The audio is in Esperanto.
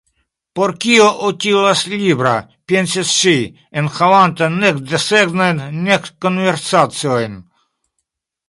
"Por kio utilas libro," pensis ŝi, "enhavanta nek desegnojn nek konversaciojn?"